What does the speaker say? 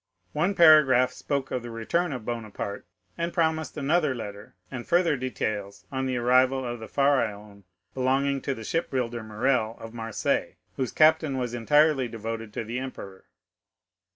One paragraph spoke of the return of Bonaparte and promised another letter and further details, on the arrival of the Pharaon belonging to the shipbuilder Morrel, of Marseilles, whose captain was entirely devoted to the emperor.